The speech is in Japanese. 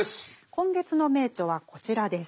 今月の名著はこちらです。